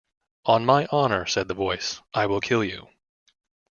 "On my honour," said the Voice, "I will kill you."